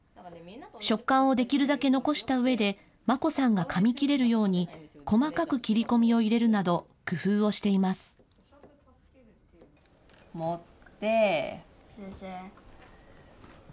食感をできるだけ残したうえで、真心さんがかみ切れるように、細かく切り込みを入れるなど、工夫持って。